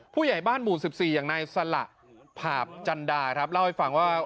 ผู้ใหญ่บ้านหมู่๑๔อย่างนายสละผาบจันดาครับเล่าให้ฟังว่า